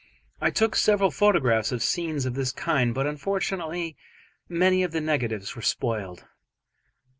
I took several photographs of scenes of this kind, but unfortunately many of the negatives were spoiled.